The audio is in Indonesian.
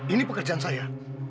ini pekerjaan saya